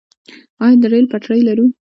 آیا د ریل پټلۍ لرو؟